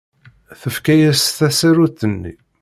Tefka-as tasarut-nni.